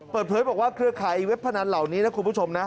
เปิดเผยบอกว่าเครือข่ายเว็บพนันเหล่านี้นะคุณผู้ชมนะ